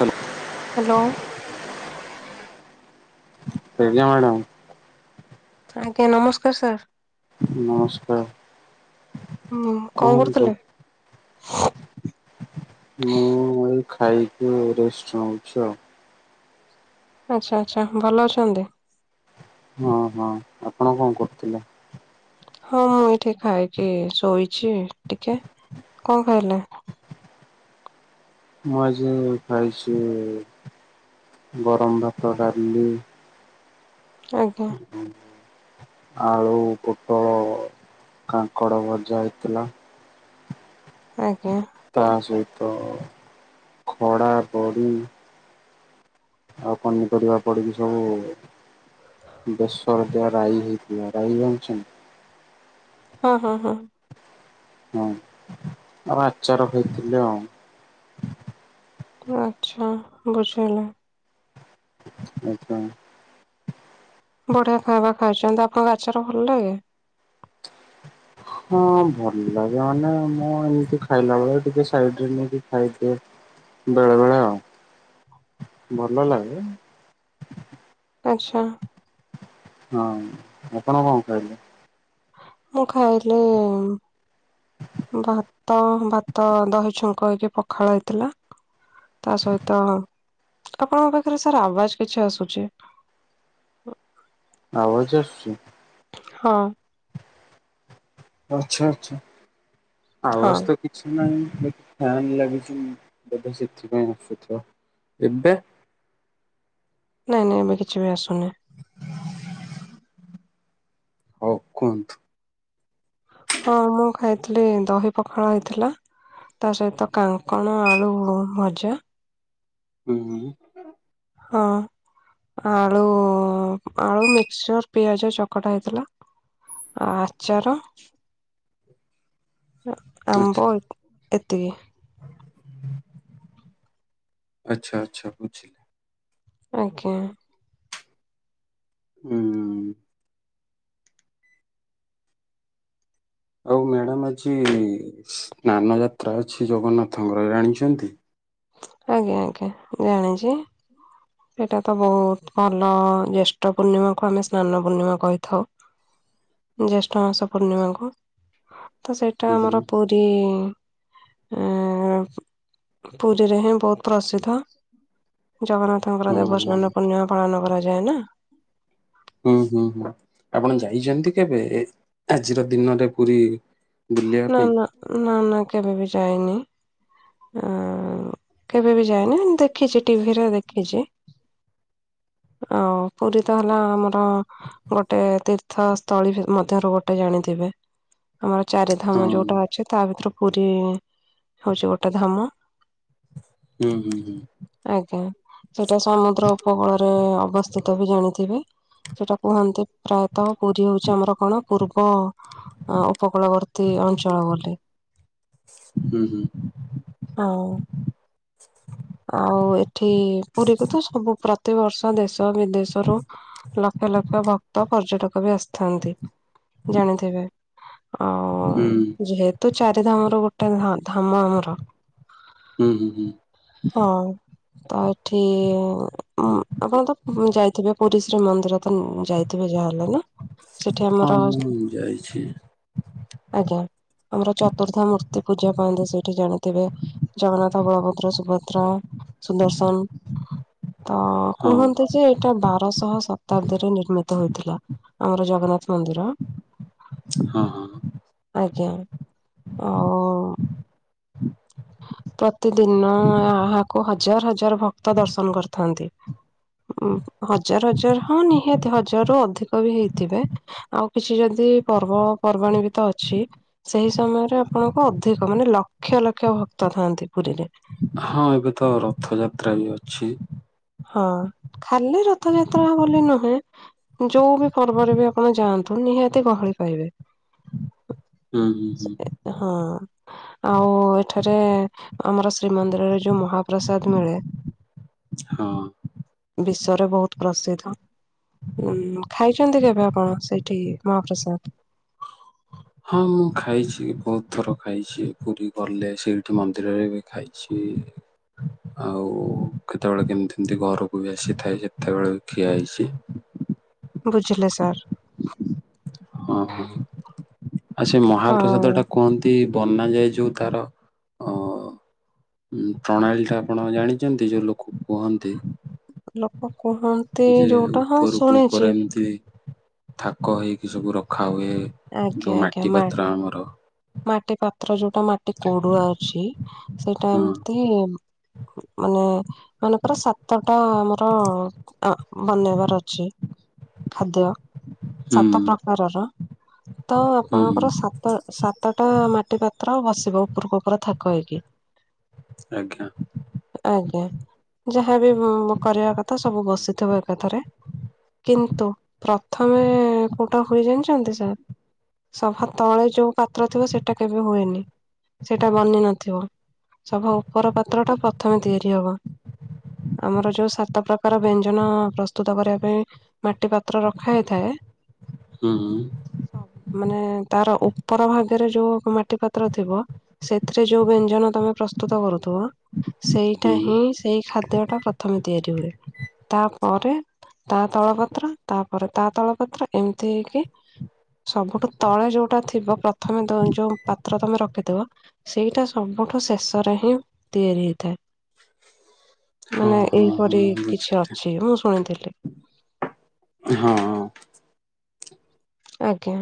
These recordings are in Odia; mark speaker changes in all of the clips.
Speaker 1: ହାଲୋ।
Speaker 2: ହାଲୋ।
Speaker 1: ଆଜ୍ଞା ମ୍ୟାଡ଼ମ।
Speaker 2: ଆଜ୍ଞା ନମସ୍କାର ସାର୍।
Speaker 1: ନମସ୍କାର
Speaker 2: ହୁଁ କଣ
Speaker 1: କୁହନ୍ତୁ।
Speaker 2: କରୁଥିଲେ?
Speaker 1: ମୁଁ ଏଇ ଖାଇକି ରେଷ୍ଟ ନଉଚି ଆଉ।
Speaker 2: ଆଛା ଆଛା ଭଲ ଅଛନ୍ତି
Speaker 1: ହଁ ହଁ ଆପଣ କଣ କରୁଥିଲେ?
Speaker 2: ହଁ ମୁଁ ଏଠି ଖାଇକି ଶୋଇଛି ଟିକେ ଙ୍କ ଖାଇଲେ?
Speaker 1: ମୁଁ ଆଜି ଖାଇଚି ଗରମ ଭାତ ଡାଲି
Speaker 2: ଆଜ୍ଞା
Speaker 1: [inaudible] ଆଳୁ ପୋଟଳ କାଙ୍କଡ଼ ଭଜା ହେଇଥିଲା।
Speaker 2: ଆଇଁ
Speaker 1: ତା ସହିତ ଖଡା ବଡ଼ି ଆଉ ପନିପରିବା ପଡିକି ସବୁ ବେଶର ଦିଆ ରାଇ ହେଇଥିଲା ରାଇ ଜାଣଚନ୍ତି
Speaker 2: ହଁ ହଁ ହଁ।
Speaker 1: ହଁ ଆଉ ଆଚାର ହେଇଥିଲେ ଆଉ।
Speaker 2: ତେବେ ଆଛା ବୁଝିହେଲା।
Speaker 1: ଆଛା।
Speaker 2: ବଢିଆ ଖାଇବା ଖାଇଛନ୍ତି ଆପଣଙ୍କୁ ଆଚାର ଭଲ ଲାଗେ
Speaker 1: ହଁ ଭଲ ଲାଗେ ମାନେ ମୁଁ ଏମିତି ଖାଇଲା ବେଳେ ଟିକେ ସାଇଡରେ ନେଇକି ଖାଇଦିଏ। ବେଳେ ବେଳେ ଭଲ ଲାଗେ।
Speaker 2: ଆଛା।
Speaker 1: ହଁ ଆପଣ କଣ ଖାଇଲେ?
Speaker 2: ମୁଁ ଖାଇଲି ଭାତ ଭାତ ଦହି ଛୁଙ୍କ ହେଇକି ପଖାଳ ହେଇଥିଲା। ତା ସହିତ ଆପଣଙ୍କ ପାଖରେ ସାର୍ ଆବାଜ କିଛି ଆସୁଚି। [inaudible]
Speaker 1: ଅୱାଜ ଆସୁଚି
Speaker 2: ହଁ।
Speaker 1: ଆଛା ଆଛା
Speaker 2: ହଁ
Speaker 1: ଆୱାଜ ତ କିଛି ନାହିଁ। ନିକ ଫ୍ୟାନ ଲାଗିଚି ତେବେ ସେଥିପାଇଁ ଅସୁଥିବ ଏବେ
Speaker 2: ନାଇଁ ନାଇଁ ଏବେ କିଛି ବି ଆସୁନି।
Speaker 1: ହଉ କୁହନ୍ତୁ।
Speaker 2: ହଁ ମୁଁ ଖାଇଥିଲି ଦହି ପଖାଳ ହେଇଥିଲା। ତା ସହିତ କାଙ୍କଣ ଆଳୁ ଭ ଭଜା
Speaker 1: ଉଁ ହୁଁ।
Speaker 2: ହଁ। ଆଳୁ ଆଳୁ ମିକସଚର ପିଆଜ ଚକଟା ହେଇଥିଲା। ଆ ଆଚର ଆମ୍ବ ଏତିକି।
Speaker 1: ଆଛା ଆଛା ବୁଝିଲି।
Speaker 2: ଆଜ୍ଞା।
Speaker 1: ଉଁ ଆଉ ମ୍ୟାଡ଼ାମ ଆଜି ସ୍ନାନ ଯାତ୍ରା ଅଛି ଜଗନ୍ନାଥଙ୍କର ଜାଣିଚନ୍ତି
Speaker 2: ଆଜ୍ଞା ଆଜ୍ଞା ଜାଣିଚି। ଏଇଟା ତ ବହୁତ ଭଲ ଜ୍ୟେଷ୍ଠ ପୂର୍ଣ୍ଣିମାକୁ ଆମେ ସ୍ନାନ ପୂର୍ଣ୍ଣିମା କହିଥାଉ। ଜ୍ୟେଷ୍ଠ ମାସ ପୂର୍ଣ୍ଣିମାକୁ ତ ସେଟା
Speaker 1: ହୁଁ
Speaker 2: ଆମର ପୁରୀ ଅଁ, ପୁରୀରେ ହିଁ ବହୁତ ପ୍ରସିଦ୍ଧ। ଜଗନ୍ନାଥଙ୍କର ଦେବ
Speaker 1: ହଁ
Speaker 2: ସ୍ନାନ ପୂର୍ଣ୍ଣିମା ପାଳନ କରାଯାଏ ନା।
Speaker 1: ହୁଁ, ହୁଁ, ହୁଁ, ଆପଣ ଯାଇଚନ୍ତି କେବେ ଏ ଆଜିର ଦିନ ରେ ପୁରୀ? ବୁଲିବା
Speaker 2: ନା
Speaker 1: ପାଇଁ
Speaker 2: ନା ନା ନା କେବେ ବି ଯାଇନି। ଆ, କେବେ ବି ଯାଇନି। ମୁଁ ଦେଖିଛି ଟିଭିର ଦେଖିଛି। ଆଉ ପୁରୀ ତ ହେଲା ଆମର ଗୋଟେ ତୀର୍ ର୍ଥ ସ୍ଥଳୀ ଭି-ମଧ୍ୟରୁ ଗୋଟେ ଜାଣିଥିବେ। ଆମର
Speaker 1: ହଁ
Speaker 2: ଚାରିଧାମ ଯୋଉଟା ଅଛି ତା ଭିତରୁ ପୁରୀ ହଉଛି ଗୋଟେ ଧାମ।
Speaker 1: ହୁଁ, ହୁଁ, ହୁଁ।
Speaker 2: ଆଜ୍ଞା। ସେଇଟା ସମୁଦ୍ର ଉପକୂଳରେ ଅବସ୍ଥିତ ବି ଜାଣିଥିବେ। ସେଟା କୁହନ୍ତି ପ୍ରା ତ ପୁରୀ ହଉଛି ଆମର କଣ ପୂର୍ବ ଅ, ଉପକୂଳବର୍ ତୀ ଅଞ୍ଚଳ ବୋଲି।
Speaker 1: ହୁଁ ହୁଁ
Speaker 2: ହଁ। ଆଉ ଏଠି ପୁରୀକୁ ତ ସବୁ ପ୍ରତିବର୍ଷ ଦେଶ ବିଦେଶରୁୁ ଲକ୍ଷ ଲକ୍ଷ ଭକ୍ତ ପର୍ଯ୍ୟଟକ ବି ଆସି ଥାନ୍ତି ଜାଣିଥିବେ,
Speaker 1: ହୁଁ
Speaker 2: ଆଉ ଯେହେତୁ ଚାରି ଧାମ ର ଗୋଟେ ଧା-ଧାମ ଆମର।
Speaker 1: ହୁଁ, ହୁଁ, ହୁଁ।
Speaker 2: ହଁ। ତ ଏଠି ଉଁ, ଆପଣ ତ ଯାଇଥିବେ ପୁରୀ ଶ୍ରୀ ମନ୍ଦିର ତ ଉଁ, ଯାଇ ଥିବେ ଯାହା ହେଲେ ନା। ସେଠି
Speaker 1: ହଁ
Speaker 2: ଆମର
Speaker 1: ମୁଁ ଯାଇଛି
Speaker 2: ଆଜ୍ଞା ଆମର ଚତୁର୍ଦ୍ଧା ମୂର୍ ତ ପୂଜା ପାଆନ୍ତି ସେଇଠି ଜାଣିଥିବେ ଜଗନ୍ନାଥ, ବଳଭଦ୍ର, ସୁ ଭଦ୍ରା ସୁଦର୍ଶନ ତ
Speaker 1: ହଁ
Speaker 2: କୁହନ୍ତି ଯେ ଏଟା ଵା ରଶହ ଶତାବ୍ଦୀରେ ନିର୍ମିତ ହୋଇଥିଲା ଆମର ଜଗନ୍ନାଥ ମନ୍ଦିର।
Speaker 1: ହଁ, ହଁ।
Speaker 2: ଆଜ୍ଞା ଆ, ପ୍ରତିଦିନ ଏହାକୁ ହଜାର ହଜାର ଭକ୍ତ ଦର୍ଶନ କରିଥାନ୍ତି। ଉଁ, ହଜାର ହଜାର ହଁ ନିହାତି ହଜାର ରୁ ଅଧିକ ବି ହେଇଥିବେ। ଆଉ କିଛି ଯଦ ଯେ ପର୍ବପର୍ବାଣୀ ବି ତ ଅଛି ସେଇ ସମୟରେ ଆପଣଙ୍କୁ ଅଧିକ ମାନେ ଲକ୍ଷ ଲକ୍ଷ ଭ ତ ଥାନ୍ତି ପୁରୀରେ।
Speaker 1: ହଁ ଏବେ ତ ରଥଯାତ୍ରା ବି ଅଛି।
Speaker 2: ହଁ ଖାଲି ରଥଯାତ୍ରା ବୋଲି ନୁହେଁ। ଯୋଉ ବି ପର୍ବରେ ବି ଆପଣ ଯାଆନ୍ତୁ। ନିହାତି ଗହଳି ପାଇବେ।
Speaker 1: ହୁଁ ହୁଁ ହୁଁ
Speaker 2: ସେଟି ଏ ହଁ ଆଉ ଏଠାରେ ଆମର ଶ୍ରୀମନ୍ଦିରରେ ଯୋଉ ମହାପ୍ରସାଦ ମିଳେ
Speaker 1: ହଁ।
Speaker 2: ବିଶ୍ଵରେ ବହୁତ ପ୍ରସିଦ୍ଧ। ଉନ, ଖାଇଛନ୍ତି କେବେ ଆପଣ ସେଇଠି ମହାପ୍ରସାଦ?
Speaker 1: ହଁ ମୁଁ ଖାଇଛି। ବହୁତ ଥର ଖାଇଛି। ପୁରୀ ଗଲେ ସେଇଠି ମନ୍ଦିରରେ ବି ଖାଇଛି। ଆଉ କେତେବେଳେ କେମିତି ଏମତି ଘରକୁ ବି ଆସିଥାଏ। ସେତେବେଳେ ବି ଖିଆ ହେଇଛି।
Speaker 2: ବୁଝିଲେ ସାର୍।
Speaker 1: ହଁ, ହଁ ଆଉ ସେ
Speaker 2: ହଁ।
Speaker 1: ମହାପ୍ରସାଦ ଟା କୁହନ୍ତି ବନା ଯାଏ ଯୋଉ ତାର ଅ, ଉଁ, ପ୍ରଣାଳୀ ଟା ଆପଣ ଜାଣିଚନ୍ତି ଯୋଉ ଲୋକ କୁହନ୍ତି?
Speaker 2: ଲୋକ କୁହନ୍ତି
Speaker 1: ଯେ
Speaker 2: ଯୋଉଟା ହଁ
Speaker 1: ଉପରକୁ ଉପରେ
Speaker 2: ଶୁଣିଛି।
Speaker 1: ଏମିତି ଥାକ ହେଇକି ସବୁ ରଖା ହୁଏ
Speaker 2: ଆଜ୍ଞା
Speaker 1: ଯୋଉ
Speaker 2: ଆଜ୍ଞା
Speaker 1: ମାଟି
Speaker 2: ମା
Speaker 1: ପାତ୍ର ଆମର।
Speaker 2: ମାଟି ପାତ୍ର ଯୋଉଟା ମାଟି କୋଡୁଆ ଅଛି ସେଇଟା
Speaker 1: ହଁ
Speaker 2: ଏମିତି ମାନେ ମାନଙ୍କର ସାତଟା ଆମର ଅଁ, ବନେଇବାର ଅଛି ଖାଦ୍ୟ।
Speaker 1: ହୁଁ
Speaker 2: ସାତ ପ୍ରକାରର। ତ
Speaker 1: ହୁଁ
Speaker 2: ଆପଣଙ୍କର ସାତ ସାତଟା ମାଟି ପାତ୍ର ବସିବ ଉପରକୁ ଉପର ଥା କ ହେଇକି।
Speaker 1: ଆଜ୍ଞା
Speaker 2: ଆଜ୍ଞା ଯାହାବି କରିବା କଥା ସବୁ ବସି ଥିବ ଏକାଥାରେ କିନ୍ତୁ ପ୍ରଥମେ କୋଉଟା ହୋଏ ଜାଣିଛନ୍ତି ସାର୍ ସଭା ତଳେ ଯୋଉ ପାତ୍ର ଥିବ ସେଟା କେବେ ହୁଏନି। ସେଇଟା ବନି ନଥିବ ସଭା ଉପର ପାତ୍ରଟା ପ୍ରଥମେ ତିଆରି ହବ। ଆମର ଯୋଉ ସାତ ପ୍ରକାର ବ୍ୟଞ୍ଜନ ପ୍ରସ୍ତୁତ କରିବା ପାଇଁ ମାଟି ପାତ୍ର ରଖା ହେଇଥାଏ
Speaker 1: ହୁଁ
Speaker 2: ମାନେ ତାର ଉପର ଭାଗରେ ଯୋଉ ମାଟି ପାତ୍ର ଥିବ ସେଥିରେ ଯୋଉ ବ୍ୟଞ୍ଜନ ତମେ ପ୍ରସ୍ତୁତ କରୁ ଥୁବ ସେଇଟା
Speaker 1: ହୁଁ
Speaker 2: ହିଁ ସେଇ ଖା ଦ୍ୟ ଟା ପ୍ରଥମେ ତିଆରି ହୁଏ ତାପରେ ତା ତଳ ପା ତ୍ର ତାପରେ ତା ତଳ ପାତ୍ର ଏମିତି ହେଇକି ସବୁଠୁ ତଳେ ଯୋଉଟା ଥିବ ପ୍ରଥମେ ତ ଯୋଉ ପାତ୍ର ତମେ ରଖିଥିବ ସେଇଟା ସବୁ ସବୁଠୁ ଶେଷରେ ହିଁ ତିଆରି ହେଇଥାଏ।
Speaker 1: ହଁ
Speaker 2: ମାନେ
Speaker 1: ହଁ ହଁ
Speaker 2: ଏହିିପରି
Speaker 1: ବୁଝିଲି
Speaker 2: କିଛି ଅଛି ମୁଁ ଶୁଣିଥିଲି।
Speaker 1: ହଁ
Speaker 2: ଆଜ୍ଞା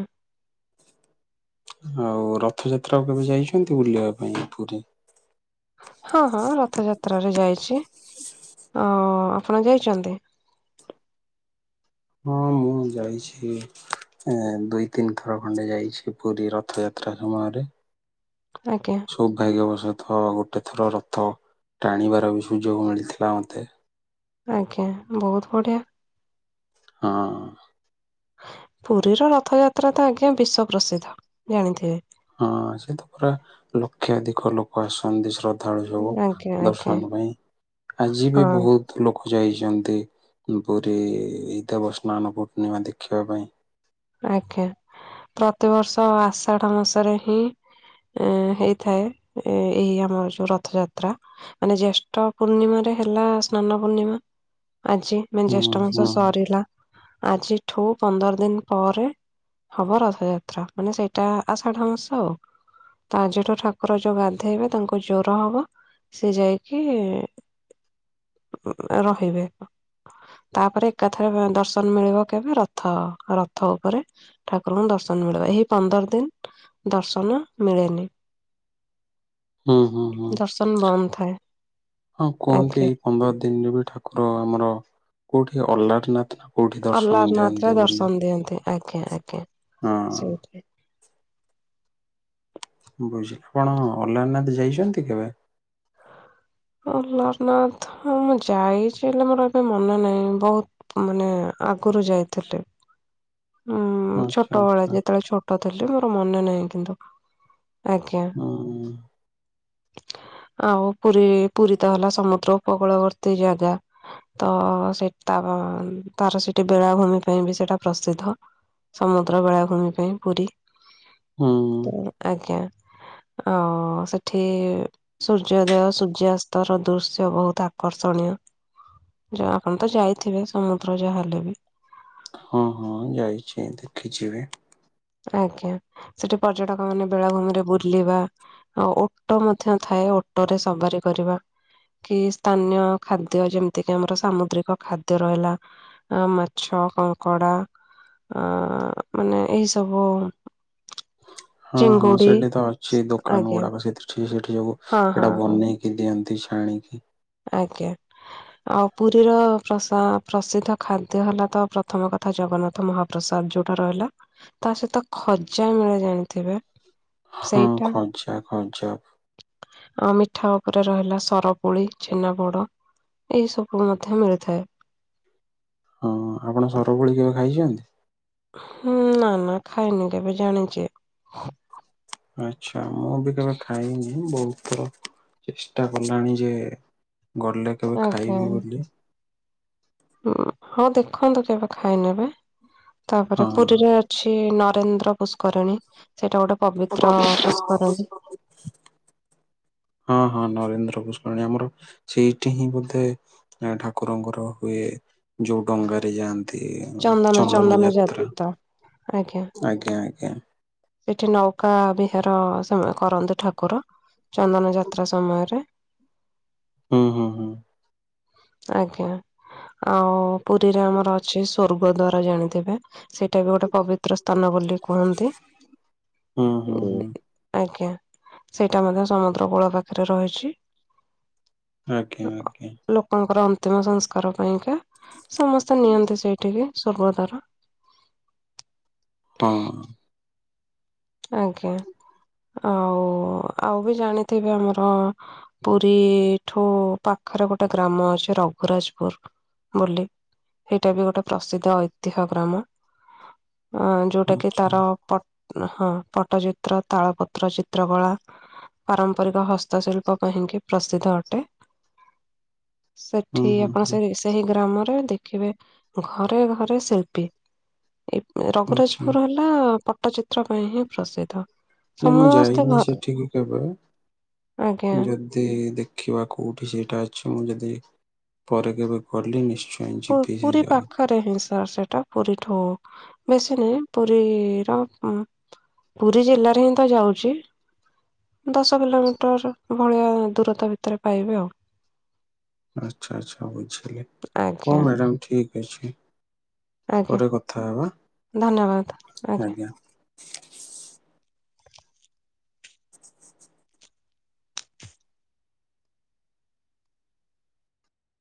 Speaker 1: ଆଉ ରଥଯାତ୍ରାକୁ କେବେ ଯାଇଛନ୍ତି ବୁଲିବା ପାଇଁ ପୁରୀ
Speaker 2: ହଁ ହଁ ରଥଯାତ୍ରାରେ ଯାଇଚି। ଅ ଆପଣ ଯାଇଚନ୍ତି?
Speaker 1: ହଁ ମୁଁ ଯାଇଛି ଏ ଦୁଇ ତିନି ଥର ଖଣ୍ଡେ ଯାଇଛି ପୁରୀ ରଥ ଯାତ୍ରା ସମୟରେ
Speaker 2: ଆଜ୍ଞା।
Speaker 1: ସୌଭାଗ୍ୟ ବସ ଥ ଗୋଟେ ଥର ରଥ ଟାଣିବାର ବି ସୁଯୋଗ ମିଳିଥିଲା ମତେ।
Speaker 2: ଆଜ୍ଞା ବହୁତ ବଢିଆ।
Speaker 1: ହଁ।
Speaker 2: ପୁରୀର ରଥଯାତ୍ରା ତ ଆଜ୍ଞା ବିଶ୍ଵ ପ୍ରସିଦ୍ଧ ଜାଣିଥିବେ।
Speaker 1: ହଁ ସେତ ପୁରା ଲକ୍ଷାଧିକ ଲୋକ ଆସନ୍ତି ଶ୍ର ଦ୍ଧାଳୁ [unintelligible]
Speaker 2: ଆଜ୍ଞା ଆଜ୍ଞା
Speaker 1: ଦର୍ଶନ ପାଇଁ ଆଜି ବି
Speaker 2: ହଁ
Speaker 1: ବହୁତ ଲୋକ ଯାଇଚନ୍ତି ପୁରୀ ଦେବ ସ୍ନାନ ପୂର୍ଣ୍ଣିମା ଦେଖିବା ପାଇ।
Speaker 2: ଆଜ୍ଞା ପ୍ରତିବର୍ଷ ଆଷାଢ ମାସରେ ହିଁ ଏଁ ହେଇଥାଏ ଏଇ ଆମର ଯୋଉ ରଥଯାତ୍ରା ମାନେ ଜେଷ୍ଠ ପୂର୍ଣ୍ଣିମାରେ ହେଲା ସ୍ନାନ ପୂର୍ଣ୍ଣିମା ଆଜି ମାନେ
Speaker 1: ହୁଁ
Speaker 2: ଜ୍ୟେଷ୍ଠ ମାସ
Speaker 1: ହୁଁ।
Speaker 2: ସରିଲା ଆଜିଠୁ ପନ୍ଦର ଦିନ ପରେ ହବ ରଥଯାତ୍ରା ମାନେ ସେଇଟା ଆଷଢ ମାସ ଆଉ ଆଜିଠୁ ଠାକୁର ଯୋଉ ଗାଧେଇବେ ତାଙ୍କୁ ଜର ହବ ସେ ଯାଇକି ରହିବେ ତାପରେ ଏକାଥରେ ଦର୍ଶନ ମିଳିବ କେବେ ରଥ ର ଥ ଉପରେ ଠାକୁରଙ୍କୁ ଦର୍ଶନ ମିଳିବ ଏହି ପନ୍ଦର ଦିନ ଦର୍ଶନ ମିଳେନି।
Speaker 1: ହୁଁ ହୁଁ ହୁଁ
Speaker 2: ଦର୍ଶନ ବନ୍ଦ ଥାଏ।
Speaker 1: ହଁ
Speaker 2: ଆଜ୍ଞା।
Speaker 1: କୁହନ୍ତି ଏଇ ପନ୍ଦର ଦିନରେ ବି ଠାକୁର ଆମର କୋଉଠି ଅଲ୍ଲାର ନାଥ ନା କୋଉଠି ଦର୍ଶନ
Speaker 2: ଅଲାରନାଥରେ
Speaker 1: ଦିଅନ୍ତି ବୋଲି
Speaker 2: ଦର୍ଶନ ଦିଅନ୍ତି ଆଜ୍ଞା ଆଜ୍ଞା
Speaker 1: ହଁ
Speaker 2: ସେଇଠି।
Speaker 1: ବୁଝିଲ କଣ ଅଲାରନାଥ ଯାଇଚନ୍ତି କେବେ?
Speaker 2: ଅହ୍ଲାରନାଥ ହଁ ମୁଁ ଯାଇଛି ହେଲେ ମୋର ଏବେ ମନେ ନାହିଁ ବହୁତ ମାନେ ଆଗରୁ ଯାଇଥିଲି। ହୁଁ
Speaker 1: ଆଚ୍ଛା
Speaker 2: ଛୋଟବେଳେ
Speaker 1: ଆଚ୍ଛା
Speaker 2: ଯେତେବେଳେ ଛୋଟ ଥିଲି ମୋର ମନେ ନାହିଁ କିନ୍ତୁ ଆଜ୍ଞା।
Speaker 1: ଉଁ ଉଁ
Speaker 2: [inaudible] ଆଉ ପୁରୀ ପୁରୀ ତ ହେଲା ସମୁଦ୍ର ଉପକୂଳବର୍ତ୍ତୀ ଜାଗା ତ ସେଟ ତାର ସେଠି ବେଳାଭୂମି ପାଇଁ ବି ସେଇଟା ପ୍ରସି ଆଉ ସମୁଦ୍ର ବେଳାଭୂମି ପାଇଁ ପୁରୀ
Speaker 1: ହୁଁ
Speaker 2: ଆଜ୍ଞା ଅ ହ ସେଠି ସୂର୍ଯ୍ୟୋଦୟ ସୂର୍ଯ୍ୟାସ୍ତର ଦୃଶ୍ୟ ବହୁତ ଆକର୍ଷଣୀୟ। ଯ ଆପଣ ତ ଯାଇଥିବେ ସମୁଦ୍ର ଯାହା ହେଲେ ବି।
Speaker 1: ହଁ ହଁ ଯାଇଛି ଦେଖିଚି ବି।
Speaker 2: ଆଜ୍ଞା, ସେଠି ପର୍ଯ୍ୟଟକ ମାନେ ବେଳାଭୂମି ରେ ବୁଲିବା, ଆ ଓଟ ମଧ୍ୟ ଥାଏ। ଓଟ ରେ ସବାରି କରିବା। କି ସ୍ଥାନୀୟ ଖାଦ୍ୟ ଯେମିତି କିି ଆମର ସାମୁଦ୍ରିକ ଖାଦ୍ୟ ରହିଲା, ମାଛ କଙ୍କଡ଼ା ଆ ମାନେ ଏହିସବୁ
Speaker 1: ହଁ ହଁ ସେଠି ତ ଅଛି ଦୋକାନ
Speaker 2: ଆଜ୍ଞା
Speaker 1: ଗୁଡାକ ସେଠିି ସେଠି ଯୋଉ
Speaker 2: ହଁ ହଁ
Speaker 1: ସେଇଟା
Speaker 2: ହଁ
Speaker 1: ବନେଇକି ଦିଅନ୍ତି। ଆଣିକି।
Speaker 2: ଆଜ୍ଞା ଆଉ ପୁରୀର ପ୍ରସ-ପ୍ରସିଦ୍ଧ ଖାଦ୍ୟ ହେଲା ତ ପ୍ରଥମ କ ତଥା ଜଗନ୍ନାଥ ମହାପ୍ରସାଦ ଯୋଉଟା ରହିଲା, ତା ସହିତ ଖଜା ମିଳେ ଜାଣିଥିବେ?
Speaker 1: ହଁ
Speaker 2: ସେଇଟା
Speaker 1: ଖଜା ଖଜା।
Speaker 2: ଆଉ ମିଠା ଉପରେ ରହିଲା ସରପୁଳି, ଛେନାପୋଡ଼। ଏଇ ସବୁ ମଧ୍ୟ ମିଳିଥାଏ।
Speaker 1: ହଁ ଆପଣ ସରପୁଳି କେବେ ଖାଇଛନ୍ତି?
Speaker 2: ହୁଁ ନା ନା ଖାଇନି କେବେ ଜାଣିଚି।
Speaker 1: ଆଚ୍ଛା ମୁଁ ବି କେବେ ଖାଇନି ବହୁତ ଥର ଚେଷ୍ଟା କଲାଣି ଯେ ଗଲେ କେବେ ଖାଇବି ବୋଲି।
Speaker 2: ହଁ ଦେଖନ୍ତୁ କେବେ ଖାଇ ନେବେ। ତାପରେ
Speaker 1: ହଁ
Speaker 2: ପୁରୀରେ ଅଛି ନରେନ୍ଦ୍ର ପୁଷ୍କରିଣୀ। ସେଇଟା ଗୋଟେ ପବିତ୍ର ପୁଷ୍କରିଣୀ
Speaker 1: [unintelligible] ହଁ ହଁ ନରେନ୍ଦ୍ର ପୁଷ୍କରିଣୀ ଆମର ସେଇଠି ହିଁ ବୋଧେ ଠାକୁରଙ୍କର ହୁଏ ଯୋଉ ଡଙ୍ଗାରେ ଯାଆନ୍ତି। ଚନ୍ଦନ ଯାତ୍ରା
Speaker 2: ଆଜ୍ଞା।
Speaker 1: ଆଜ୍ଞା ଆଜ୍ଞା।
Speaker 2: ସେଠି ନୌକା ବିହାର ସେ କରନ୍ତି ଠାକୁର। ଚନ୍ଦନ ଯାତ୍ରା ସମୟରେ।
Speaker 1: ହୁଁ ହୁଁ ହୁଁ।
Speaker 2: ଆଜ୍ଞା, ଆଉ ପୁରୀରେ ଆମର ଅଛି ସ୍ୱର୍ଗ ଦ୍ଵାରା ଜାଣିଥିବେ? ସେଇଟା ବି ଗୋଟେ ପବିତ୍ର ସ୍ଥାନ ବୋଲି କୁହନ୍ତି,
Speaker 1: ହୁଁ ହୁଁ
Speaker 2: ଉ
Speaker 1: ହୁଁ
Speaker 2: ଆଜ୍ଞା। ସେଇଟା ମଧ୍ୟ ସମୁଦ୍ର କୂଳ ପାଖରେ ରହିଛି।
Speaker 1: ଆଜ୍ଞା ଆଜ୍ଞା।
Speaker 2: ଙ୍କର ଅନ୍ତିମ ସଂସ୍କାର ପାଇଁକା, ସମସ୍ତେ ନିଅନ୍ତି ସେଇଠିକି। ସ୍ୱର୍ଗଦ୍ୱାର।
Speaker 1: ହଁ।
Speaker 2: ଆଜ୍ଞା। ଆଉ ଆଉ ବି ଜାଣିଥିବେ ଆମର ପୁରୀଠୁ ପାଖ ପାଖରେ ଗୋଟେ ଗ୍ରାମ ଅଛି ରଘୁରାଜପୁର ବୋଲି। ସେଇଟା ବି ଗୋଟେ ପ୍ରସିଦ୍ଧ ଐତିହ୍ୟ ଗ୍ରାମ। ଅ ଯୋଉଟା କି
Speaker 1: ଆଚ୍ଛା
Speaker 2: ତାର ପ ହଁ ପଟ୍ଟଚିତ୍ର, ତାଳପତ୍ର ଚିତ୍ରକଳା। ପାରମ୍ପରିକ ହସ୍ତଶିଳ୍ପ ପାଇଁକି ପ୍ରସିଦ୍ଧ ଅଟେ।
Speaker 1: ହୁଁ
Speaker 2: ସେଠି
Speaker 1: ହୁଁ
Speaker 2: ଆପଣ
Speaker 1: ହୁଁ
Speaker 2: ସେ-ସେହି ଗ୍ରାମରେ ରେ ଦେଖିବେ ଘରେ ଘରେ ଶିଳ୍ପୀ। ଏ ରଘୁ
Speaker 1: ଆଚ୍ଛା
Speaker 2: ରାଜପୁର ହେଲା ପଟ୍ଟଚିତ୍ର ପାଇଁ ହିଁ ପ୍ରସିଦ୍ଧ।
Speaker 1: ନାଇଁ ମୁଁ
Speaker 2: ସମସ୍ତେ
Speaker 1: ଯାଇନି
Speaker 2: ଘ
Speaker 1: ସେଠିକ କେବେ,
Speaker 2: ଆଜ୍ଞା
Speaker 1: ଯଦି ଦେଖ ଦେଖିବା କୋଉଠି ସେଇଟା ଅଛି, ମୁଁ ଯଦି ପରେ କେବେ ଗଲି ନିଶ୍ଚ
Speaker 2: ପୁ-ପୁରୀ ପାଖରେ ହିଁ ସାର୍ ସେଟ ଟା ପୁରୀଠୁ ବେଶୀ ନାଇଁ ପୁରୀର ପୁରୀ ଜିଲ୍ଲାରେ ହିଁ ତ ଯାଉଚି। ଦଶ କିଲୋମିଟର ଭଳିଆ ଦୂରତା ଭିତରେ ପାଇବେ ଆଉ।
Speaker 1: ଆଚ୍ଛା ଆଚ୍ଛା ବୁଝିଲି
Speaker 2: ଆଜ୍ଞା
Speaker 1: ହୋଊ ମ୍ୟାଡାମ ଠିକ ଅଛି।
Speaker 2: ଆଜ୍ଞା
Speaker 1: ପରେ କଥା ହବା ଆଜ୍ଞା।